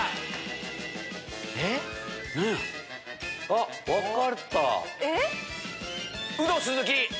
あっ分かった！